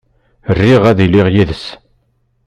Riɣ ad iliɣ yid-s.